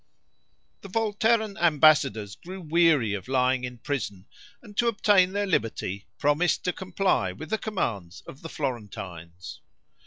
The Volterran ambassadors grew weary of lying in prison, and to obtain their liberty promised to comply with the commands of the Florentines.